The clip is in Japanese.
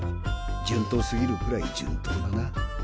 順当すぎるくらい順当だな。